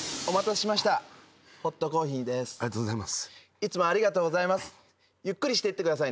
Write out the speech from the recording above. ありがとうございます。